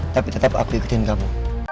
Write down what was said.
tapi tetap aku ikutin kamu